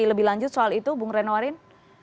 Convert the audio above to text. lebih lanjut soal itu bung renorin